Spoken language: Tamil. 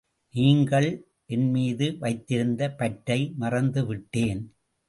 நீங்கள் என்மீது வைத்திருந்த பற்றை மறந்து விட்டேன்.